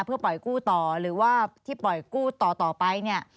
เพื่อปล่อยกู้ต่อหรือว่าที่ปล่อยกู้ต่อไปเนี่ย